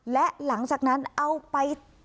และหลังจากนั้นเอาไป